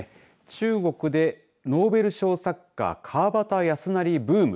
中国でノーベル賞作家川端康成ブーム